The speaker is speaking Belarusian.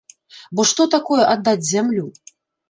Бо што такое аддаць зямлю?